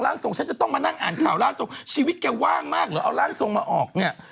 แล้วโชคดีที่ไม่มีใครเป็นอะไรนะคะ